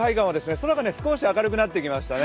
空が少し明るくなってきましたね。